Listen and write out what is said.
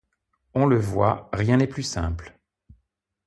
On le voit, rien n’est plus simple.